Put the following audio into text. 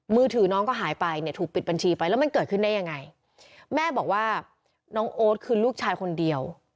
มือถือน้องก็หายไปเนี่ยถูกปิดบัญชีไปแล้วมันเกิดขึ้นได้ยังไงแม่บอกว่าน้องโอ๊ตคือลูกชายคนเดียว